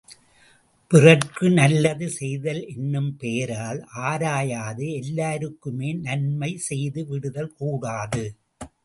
பிறர்க்கு நல்லது செய்தல் என்னும் பெயரால் ஆராயாது எல்லாருக்குமே நன்மை செய்து விடுதல் கூடாது.